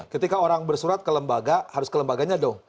ketika orang bersurat ke lembaga harus ke lembaganya dong